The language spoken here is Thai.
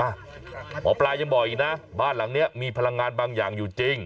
หมอปลายังบอกอีกนะบ้านหลังนี้มีพลังงานบางอย่างอยู่จริง